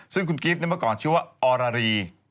ซึ่งคุณกิฟต์เมื่อก่อนชื่อว่าอรรี